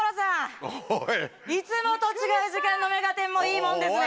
いつもと違う時間の『目がテン！』もいいもんですね。